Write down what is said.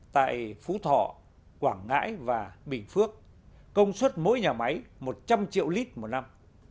tại phú thọ quảng ngãi và bình phước công suất mỗi nhà máy một trăm linh triệu lít một năm